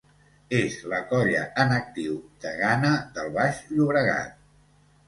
És la colla, en actiu, degana del Baix Llobregat.